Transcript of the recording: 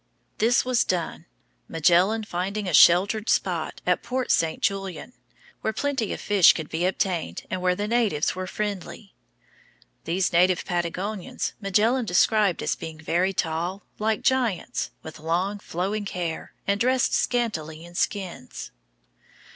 This was done, Magellan finding a sheltered spot at Port St. Julian, where plenty of fish could be obtained and where the natives were friendly. These native Patagonians Magellan described as being very tall, like giants, with long, flowing hair, and dressed scantily in skins.